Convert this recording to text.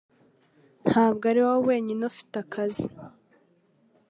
Ntabwo ari wowe wenyine ufite akazi